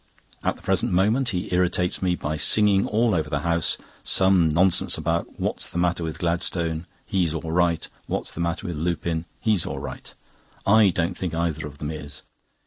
At the present moment he irritates me by singing all over the house some nonsense about "What's the matter with Gladstone? He's all right! What's the matter with Lupin? He's all right!" I don't think either of them is.